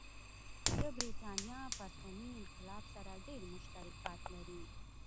د برېټانیا پرتمین انقلاب سره ډېر مشترکات لري.